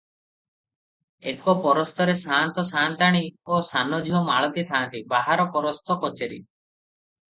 ଏକ ପରସ୍ତରେ ସାଆନ୍ତ ସାଆନ୍ତାଣି ଓ ସାନଝିଅ ମାଳତି ଥାନ୍ତି, ବାହାର ପରସ୍ତ କଚେରୀ ।